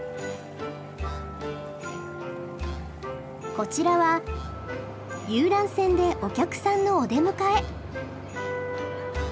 こちらは遊覧船でお客さんのお出迎え。